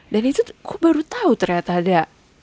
dan itu gue baru tau ternyata ada